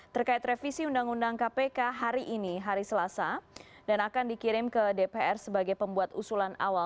terkait revisi undang undang kpk hari ini hari selasa dan akan dikirim ke dpr sebagai pembuat usulan awal